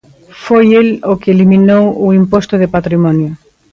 Foi el o que eliminou o imposto de patrimonio.